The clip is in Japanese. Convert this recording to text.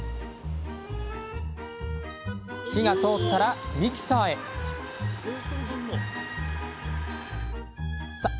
火が通ったらミキサーへさあ